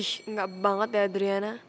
enggak banget ya adriana